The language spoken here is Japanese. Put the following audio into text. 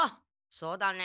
そうだね。